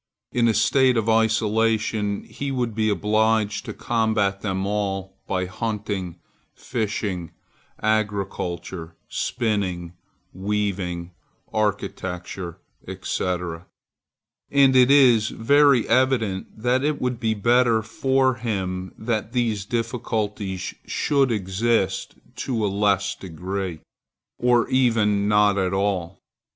In a state of isolation, he would be obliged to combat them all by hunting, fishing, agriculture, spinning, weaving, architecture, etc., and it is very evident that it would be better for him that these difficulties should exist to a less degree, or even not at all.